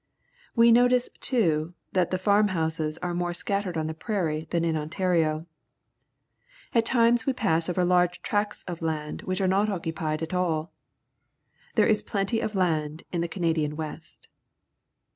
We notice, too, that the farmhouses are more scattered on the prairies than in Ontario. At times we pass over large tracts of land which are not occupied at all. There is plenty of land in the Canadian West.